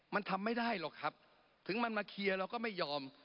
มันทำไม่ได้หรอกครับถึงมันมาเคลียร์เราก็ไม่ยอม